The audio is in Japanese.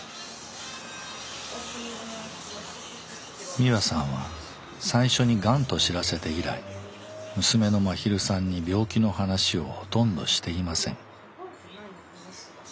みわさんは最初にがんと知らせて以来娘のまひるさんに病気の話をほとんどしていません。